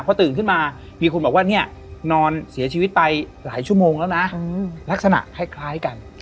พอตื่นขึ้นมามีคนบอกว่าเนี่ยนอนเสียชีวิตไปหลายชั่วโมงแล้วนะลักษณะคล้ายกัน